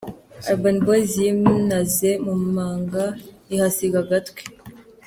Urban Boyz yinaze mu manga ihasiga agatwe.